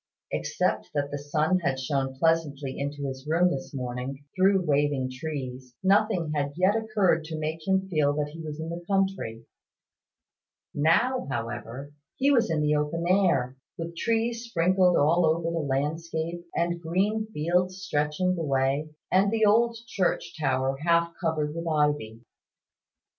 Except that the sun had shone pleasantly into his room in the morning, through waving trees, nothing had yet occurred to make him feel that he was in the country. Now, however, he was in the open air, with trees sprinkled all over the landscape, and green fields stretching away, and the old church tower half covered with ivy.